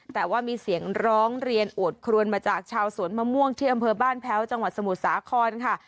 แต่ว่ามีเสียงร้องเรียนโอดครวนมาจากชาวสวนมะม่วงที่อำเภอบ้านแพ้วจังหวัดสมุทรสาครค่ะ